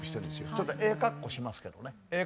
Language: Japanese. ちょっとええかっこしますけどねええ